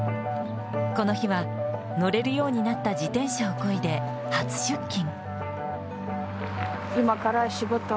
この日は、乗れるようになった自転車をこいで初出勤。